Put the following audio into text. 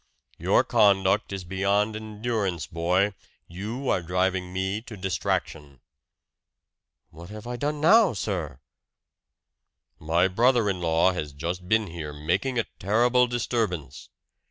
"Your conduct is beyond endurance, boy you are driving me to distraction!" "What have I done now, sir?" "My brother in law has just been here, making a terrible disturbance.